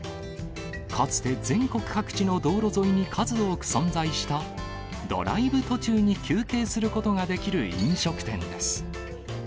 かつて全国各地の道路沿いに数多く存在した、ドライブ途中に休憩することができる飲食店です。